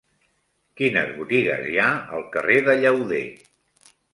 Quines botigues hi ha al carrer de Llauder?